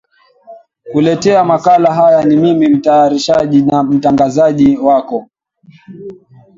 kuletea makala haya ni mimi mtayarishaji na mtangazaji wako